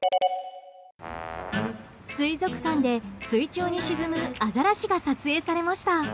水族館で水中に沈むアザラシが撮影されました。